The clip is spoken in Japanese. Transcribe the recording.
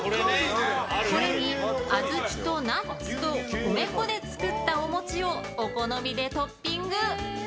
これに小豆とナッツと米粉で作ったお餅をお好みでトッピング。